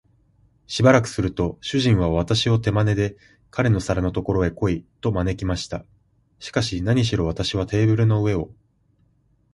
しばらくすると、主人は私を手まねで、彼の皿のところへ来い、と招きました。しかし、なにしろ私はテーブルの上を